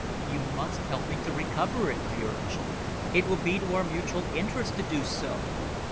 "You must help me to recover it," I urged. "It will be to our mutual interests to do so."